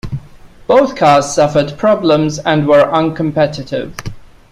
Both cars suffered problems and were uncompetitive.